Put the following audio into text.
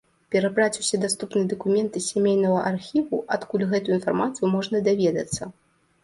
Перабраць усе даступныя дакументы з сямейнага архіву, адкуль гэтую інфармацыю можна даведацца.